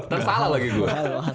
nanti salah lagi gue